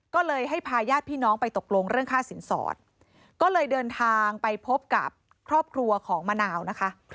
ก็เลยให้พาญาติพี่น้องไปตกลงเรื่องค่าสินสอดก็เลยเดินทางไปพบกับครอบครัวของมะนาวนะคะ